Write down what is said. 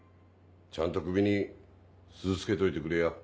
ちゃんと首に鈴つけといてくれや。